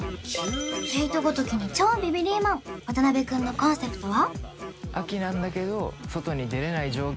毛糸ごときに超ビビリマン渡辺くんのコンセプトは？